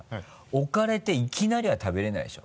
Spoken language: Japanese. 置かれていきなりは食べれないでしょ？